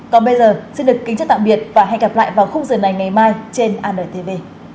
còn bây giờ xin được kính chào tạm biệt và hẹn gặp lại vào khung giờ này ngày mai trên antv